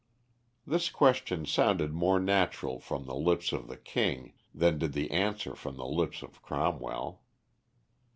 This question sounded more natural from the lips of the King than did the answer from the lips of Cromwell.